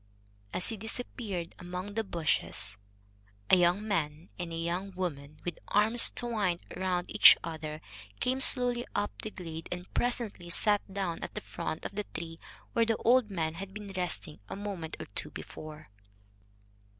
As he disappeared among the bushes, a young man and a young woman, with arms twined round each other, came slowly up the glade and presently sat down at the foot of the tree where the old man had been resting a moment or two before.